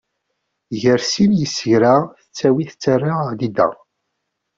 Gar sin n yisegra tettawi tettara adida.